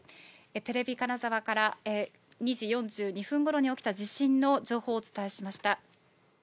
テレビ金沢から、２時４２分ごろに起きた地震の情報をお伝えしました。